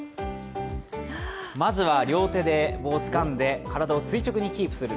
まずは両手で棒をつかんで、体を垂直にキープする。